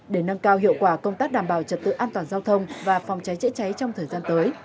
để nâng cao hiệu quả công tác đảm bảo trật tự an toàn giao thông và phòng cháy chữa cháy trong thời gian tới